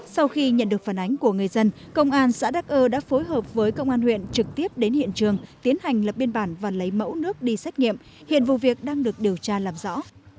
sau khi nhận được phản ánh của người dân công an xã đắc ơ đã phối hợp với công an huyện trực tiếp đến hiện trường tiến hành lập biên bản và lấy mẫu nước đi xét nghiệm hiện vụ việc đang được điều tra làm rõ